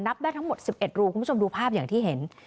ได้ทั้งหมด๑๑รูคุณผู้ชมดูภาพอย่างที่เห็น